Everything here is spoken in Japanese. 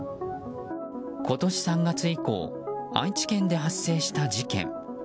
今年３月以降愛知県で発生した事件。